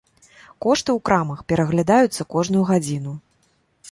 Кошты ў крамах пераглядаюцца кожную гадзіну.